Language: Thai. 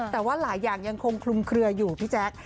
แต่ว่าหลายอย่างยังคงคลุมเคลืออยู่พี่แจ๊ค